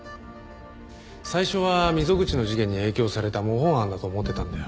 最初は溝口の事件に影響された模倣犯だと思ってたんだよ。